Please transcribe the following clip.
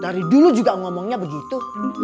dari dulu juga ngomongnya begitu